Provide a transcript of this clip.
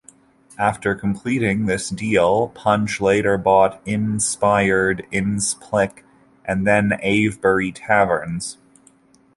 After completing this deal Punch later bought InnSpired Inns plc, and then Avebury Taverns.